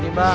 i keep yuh